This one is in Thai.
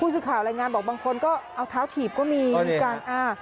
สื่อข่าวรายงานบอกบางคนก็เอาเท้าถีบก็มีมีการอ่า